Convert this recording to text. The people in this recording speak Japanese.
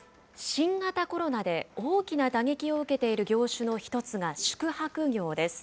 新型コロナで大きな打撃を受けている業種の一つが、宿泊業です。